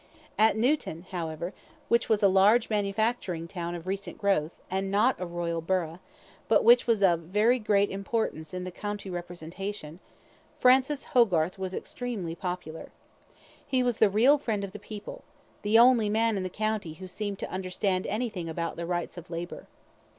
At Newton, however, which was a large manufacturing town of recent growth, and not a royal burgh, but which was of very great importance in the county representation, Francis Hogarth was extremely popular. He was the real friend of the people the only man in the county who seemed to understand anything about the rights of labour.